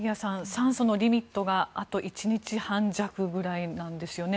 酸素のリミットがあと１日半弱ぐらいなんですね。